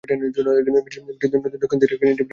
মিজুরি নদীর দক্ষিণ তীরে ইন্ডিপেন্ডেন্স শহরের অবস্থান।